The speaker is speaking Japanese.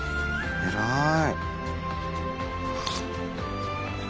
偉い！